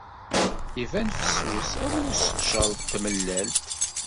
Iban fessus am usseqcer n tmellalt.